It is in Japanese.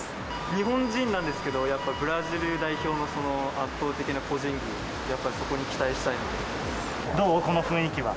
日本人なんですけど、やっぱブラジル代表の圧倒的な個人技、やっぱそこに期待したいとどう、この雰囲気は。